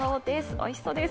おいしそうです。